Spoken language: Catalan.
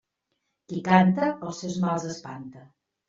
Qui canta els seus mals espanta.